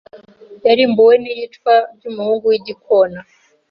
Yarimbuwe n'iyicwa ry'umuhungu w'igikona